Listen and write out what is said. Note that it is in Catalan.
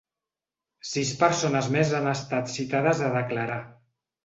Sis persones més han estat citades a declarar.